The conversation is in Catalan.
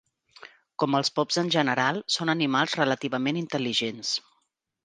Com els pops en general, són animals relativament intel·ligents.